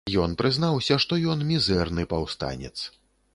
Ён прызнаўся, што ён мізэрны паўстанец.